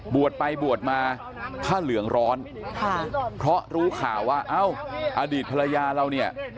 บวชไปบวชมาผ้าเหลืองร้อนค่ะเพราะรู้ข่าวว่าเอ้าอดีตภรรยาเราเนี่ย